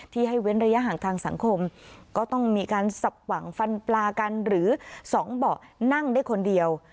ให้เว้นระยะห่างทางสังคมก็ต้องมีการสับหวังฟันปลากันหรือสองเบาะนั่งได้คนเดียว